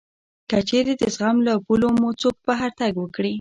که چېرې د زغم له پولو مو څوک بهر تګ وکړي